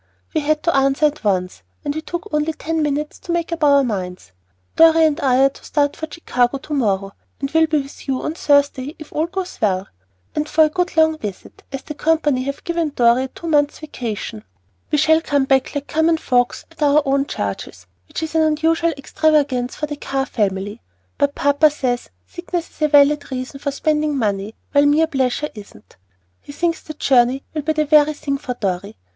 We had to answer at once, and we took only ten minutes to make up our minds. Dorry and I are to start for Chicago to morrow, and will be with you on Thursday if all goes well, and for a good long visit, as the company have given Dorry a two months' vacation. We shall come back like common folks at our own charges, which is an unusual extravagance for the Carr family; but papa says sickness is a valid reason for spending money, while mere pleasure isn't. He thinks the journey will be the very thing for Dorry.